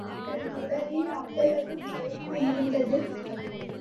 அவன் உடலில் அவ்வளவு களைப்பு இருந்தது.